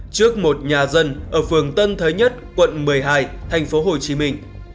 trước một nhà dân ở phường tân thới nhất quận một mươi hai thành phố hồ chí minh